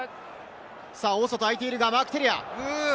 大外あいているが、マーク・テレア。